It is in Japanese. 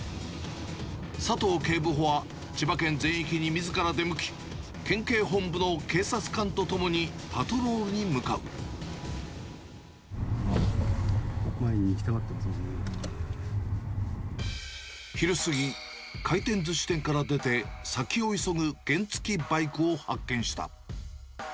佐藤警部補は、千葉県全域にみずから出向き、県警本部の警察官と共にパトローあ！昼過ぎ、回転ずし店から出て、先を急ぐ原付きバイクを発見した。